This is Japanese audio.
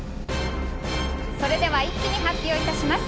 それでは一気に発表いたします。